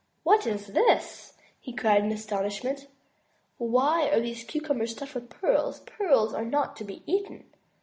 "What is this?" cried he in great astonishment; "why are these cucumbers stuffed with pearls? Pearls are not to be eaten!"